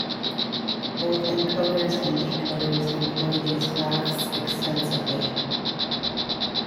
Both encoders and decoders employ these graphs extensively.